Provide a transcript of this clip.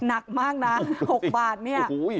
หนักมากนะ๖บาทเนี่ย